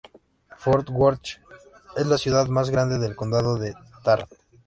Fort Worth es la ciudad más grande del Condado de Tarrant.